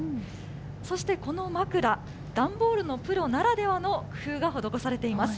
そしてこの枕、段ボールのプロならではの工夫が施されています。